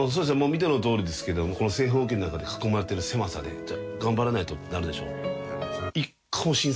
見てのとおりですけどこの正方形の中で囲まれてる狭さで頑張らないとってなるでしょ。